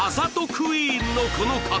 クイーンのこの方